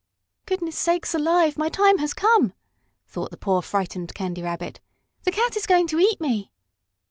"Goodness sakes alive! my time has come," thought the poor frightened Candy Rabbit. "The cat is going to eat me!"